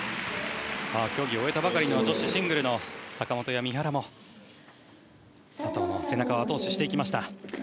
競技を終えたばかりの女子シングルの坂本や三原も佐藤の背中を後押ししていきました。